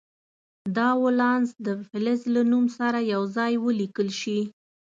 دا ولانس د فلز له نوم سره یو ځای ولیکل شي.